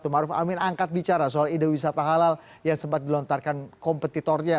maruf amin angkat bicara soal ide wisata halal yang sempat dilontarkan kompetitornya